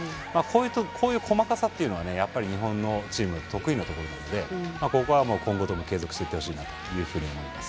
こういう細かさっていうのは日本のチーム得意なところなのでここは今後とも継続していってほしいなと思います。